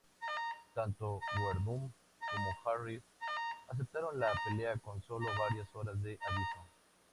Tanto Werdum como Harris aceptaron la pelea con solo varias horas de aviso.